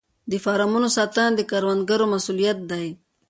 د فارمونو ساتنه د کروندګر مسوولیت دی.